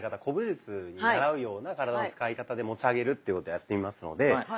古武術にならうような体の使い方で持ち上げるっていうことをやってみますので。